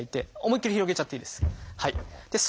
思いっきり広げちゃっていいです。